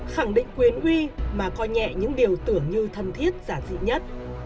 khẳng định quyến uy mà coi nhẹ những điều tưởng như thân thiết giả dị nhất